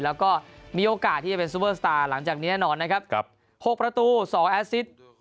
แล้วก็มีโอกาสที่จะเป็นซูเปอร์สตาร์หลังจากนี้แน่นอนนะครับ๖ประตู๒แอสซิส